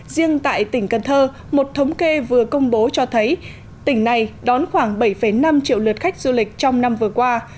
riêng tại tỉnh cần thơ một thống kê vừa công bố cho thấy tỉnh này đón khoảng bảy năm triệu lượt khách du lịch trong năm vừa qua